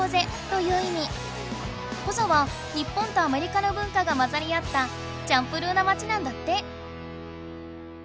コザは日本とアメリカの文化が混ざりあったチャンプルーなまちなんだって。